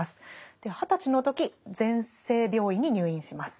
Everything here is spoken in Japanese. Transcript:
で二十歳の時全生病院に入院します。